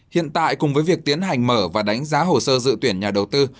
hiện tại cùng với việc tiến hành mở và đánh giá hồ sơ dự tuyển nhà đầu tư